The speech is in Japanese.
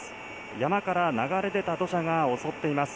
山から流れ出た土砂が襲っています。